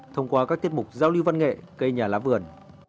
thông qua các tiết mục giao lưu văn nghệ cây nhà lá vườn